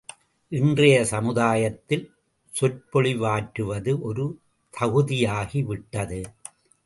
இன்றைய சமுதாயத்தில் சொற்பொழிவாற்றுவது ஒரு தகுதியாகிவிட்டது.